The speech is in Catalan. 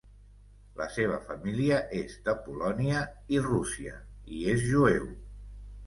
La seva família és de Polònia i Rússia i és jueu.